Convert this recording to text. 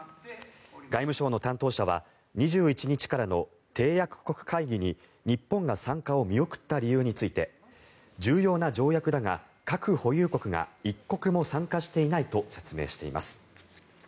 外務省の担当者は２１日からの締約国会議に日本が参加を見送った理由について重要な条約だが核保有国が１国も参加していないと説明しています。